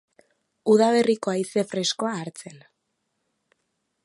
Udaberriko haize freskoa hartzen.